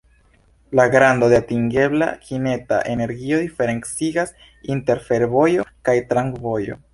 La grando de atingebla kineta energio diferencigas inter fervojo kaj tramvojo.